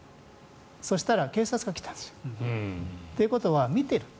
そしたら警察が来たんです。ということは見てる。